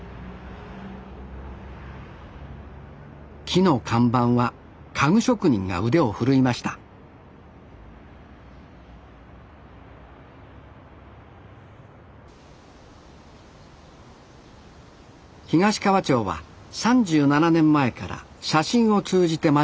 木の看板は家具職人が腕を振るいました東川町は３７年前から「写真」を通じて町づくりをしています